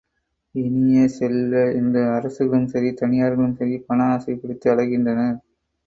இனிய செல்வ, இன்று அரசுகளும் சரி, தனியார்களும் சரி, பண ஆசை பிடித்து அலைகின்றனர்.